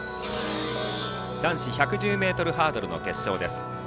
男子１１０ｍハードルの決勝です。